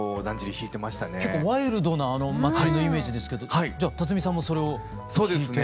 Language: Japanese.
結構ワイルドな祭りのイメージですけどじゃあ辰巳さんもそれを引いて？